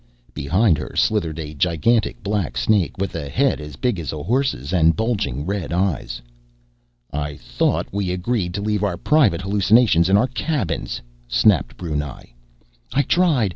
Behind her slithered a gigantic black snake, with a head as big as a horse's, and bulging red eyes. "I thought we agreed to leave our private hallucinations in our cabins," snapped Brunei. "I tried!